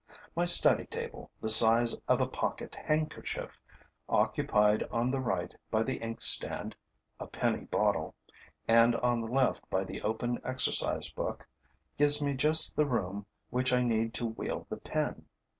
My study table, the size of a pocket handkerchief, occupied on the right by the ink stand a penny bottle and on the left by the open exercise book, gives me just the room which I need to wield the pen.